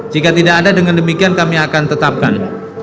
jika tidak ada dengan demikian kami akan tetapkan